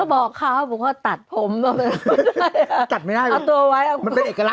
ก็บอกเขาว่าตัดผม